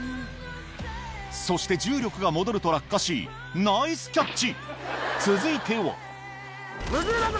そして重力が戻ると落下しナイスキャッチ続いてはどっち？